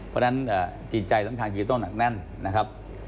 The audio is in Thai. เพราะฉะนั้นจีนใจต้องที่ต้องหนักแน่นนะครับ